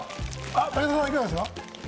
武田さん、いかがですか？